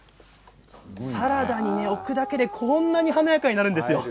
サラダに置くだけでこんなに華やかになるんですよ。